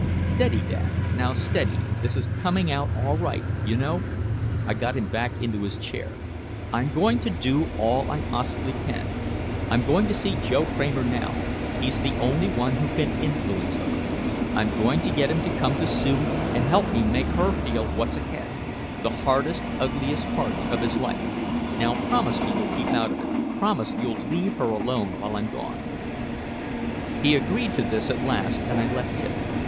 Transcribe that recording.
"Steady, Dad now steady this is coming out all right, you know " I got him back into his chair. "I'm going to do all I possibly can. I'm going to see Joe Kramer now he's the only one who can influence her. I'm going to get him to come to Sue and help me make her feel what's ahead the hardest, ugliest parts of his life. Now promise you'll keep out of it, promise you'll leave her alone while I'm gone." He agreed to this at last and I left him.